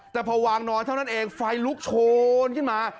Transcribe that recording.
แต่พอวางน้อยเท่านั้นเองไฟลุกโชนขึ้นมา